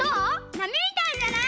なみみたいじゃない？